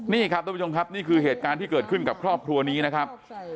นี่ครับทุกผู้ชมครับนี่คือเหตุการณ์ที่เกิดขึ้นกับครอบครัวนี้นะครับ